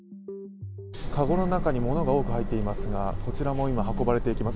かごの中に、ものが多く入っていますがこちらも今、運ばれていきます。